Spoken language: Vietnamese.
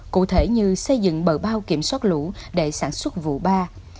cụ thể như xây dựng bờ bao kiểm soát lũ để sản xuất vụ ba